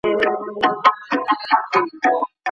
ولي لېواله انسان د وړ کس په پرتله برخلیک بدلوي؟